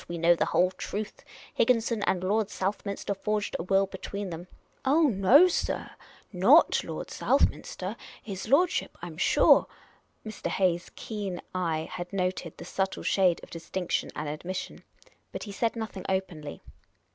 We know the whole truth. Higgin son and Lord Southminster forged a will between them "" Oh, sir, not Lord Southminster ! His lordship, I 'm sure '' Mr. Hayes's keen eye had noted the subtle shade of dis tinction and admission. But he said nothing openly.